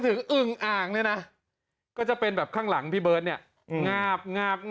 เช่นก็จะถ้านนึกถึงอึ่งอ่าง